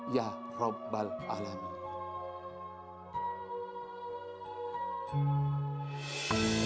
ya rabbal alamin